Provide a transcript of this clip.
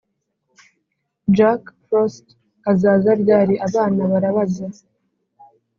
jack frost azaza ryari? abana barabaza.